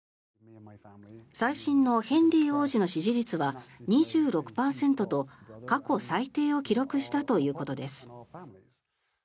最新のヘンリー王子の支持率は２６％と過去最低を記録したということです。